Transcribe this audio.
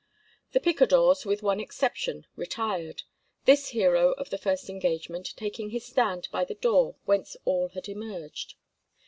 The picadores, with one exception, retired, this hero of the first engagement taking his stand by the door whence all had emerged.